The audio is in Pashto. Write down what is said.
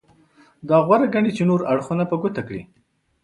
دا غوره ګڼي چې نور اړخونه په ګوته کړي.